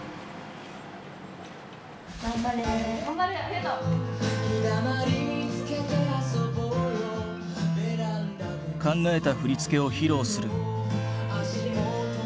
考えた振り付けを披露する。